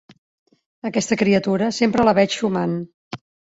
Aquesta criatura, sempre la veig xumant.